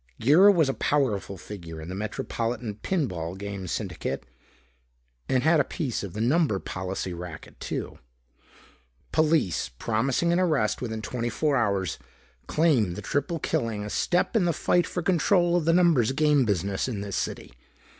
Girra was a powerful figure in the metropolitan pin ball game syndicate and had a piece of the number policy racket too. "Police, promising an arrest within twenty four hours, claim the triple killing a step in the fight for control of the numbers game business in this city.